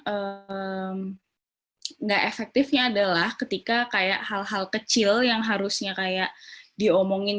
enggak efektifnya adalah ketika kayak hal hal kecil yang harusnya kayak diomongin